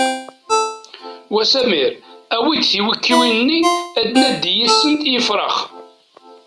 Wa Samir awi-d tiwekkiwin-nni ad nandi yis-sent i yefrax!